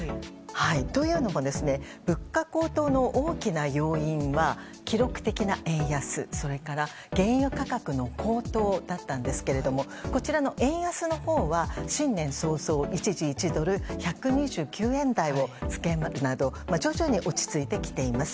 というのも物価高騰の大きな要因は記録的な円安それから原油価格の高騰だったんですがこちらの円安のほうは新年早々一時１ドル＝１２９円台をつけるなど徐々に落ち着いてきています。